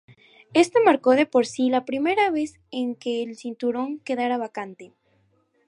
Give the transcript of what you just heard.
Esto marcó de por sí la primera vez en que el cinturón quedara vacante.